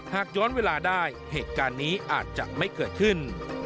หากย้อนเวลาได้เหตุการณ์นี้อาจจะไม่เกิดขึ้น